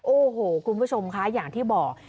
โอ้โหคุณผู้ชมคะอย่างที่บอก